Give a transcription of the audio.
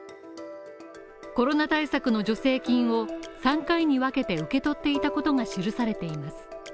コロナ対策の助成金を３回に分けて受け取っていたことが記されています。